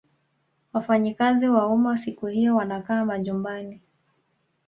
wafanyakazi wa umma siku hiyo wanakaa majumbani